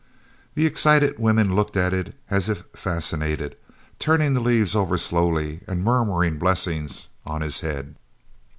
_ The excited women looked at it as if fascinated, turning the leaves over slowly and murmuring blessings on his head.